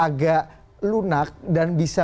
agak lunak dan bisa